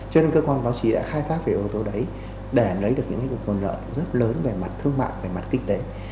cho nên cơ quan báo chí đã khai thác về ô tô đấy để lấy được những cái nguồn lợi rất lớn về mặt thương mạng về mặt kinh tế